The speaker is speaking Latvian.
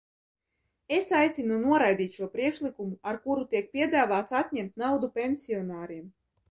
Es aicinu noraidīt šo priekšlikumu, ar kuru tiek piedāvāts atņemt naudu pensionāriem.